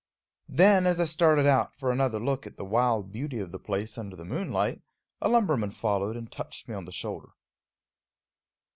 Then, as I started out for another look at the wild beauty of the place under the moonlight, a lumberman followed and touched me on the shoulder.